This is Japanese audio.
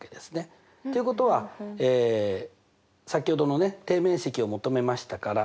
ということは先ほどのね底面積を求めましたから。